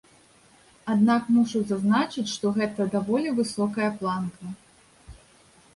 Аднак мушу зазначыць, што гэта даволі высокая планка.